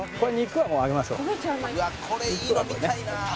「これいいの見たいな」